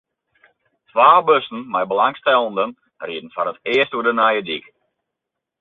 Twa bussen mei belangstellenden rieden foar it earst oer de nije dyk.